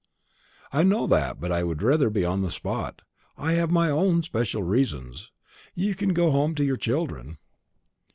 "I know that, but I would rather be on the spot. I have my own especial reasons. You can go home to your children."